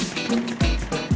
terima kasih bang